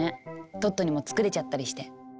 トットにも作れちゃったりして。